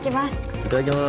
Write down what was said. いただきます。